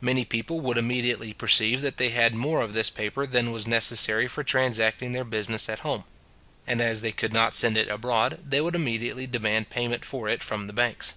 Many people would immediately perceive that they had more of this paper than was necessary for transacting their business at home; and as they could not send it abroad, they would immediately demand payment for it from the banks.